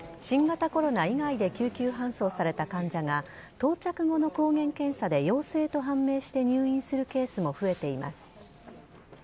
新型コロナ以外で救急搬送された患者が、到着後の抗原検査で陽性と判明して入院するケースも増えています。